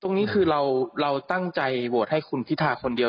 ตรงนี้คือเราตั้งใจโหวตให้คุณพิธาคนเดียว